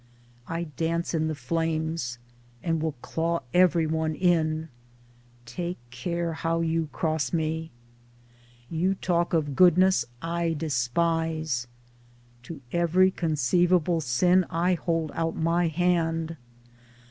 I dance in the flames and will claw every one in : take care how you cross me ! Your talk of goodness I despise. To every conceivable sin I hold out my hand.